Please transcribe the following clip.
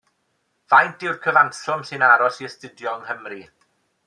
Faint yw'r cyfanswm sy'n aros i astudio yng Nghymru?